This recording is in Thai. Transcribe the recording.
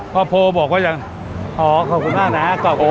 พอโพลบอกว่าอย่างขอขอบคุณมากนะขอบคุณมาก